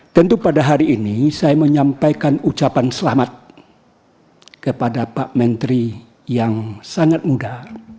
tentu pada hari ini saya menyampaikan ucapan selamat kepada pak menteri yang sangat muda